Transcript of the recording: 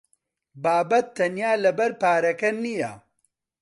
بابەت تەنیا لەبەر پارەکە نییە.